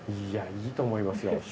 いやいいと思いますよ。